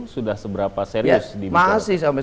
sudah seberapa serius masih sampai